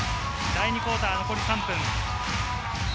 第２クオーターは残り３分。